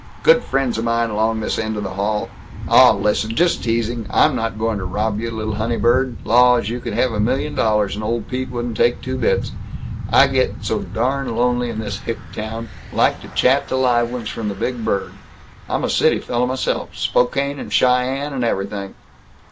"Good friends of mine, 'long this end of the hall. Aw, listen. Just teasing. I'm not going to rob you, little honey bird. Laws, you could have a million dollars, and old Pete wouldn't take two bits. I just get so darn lonely in this hick town. Like to chat to live ones from the big burg. I'm a city fella myself Spokane and Cheyenne and everything."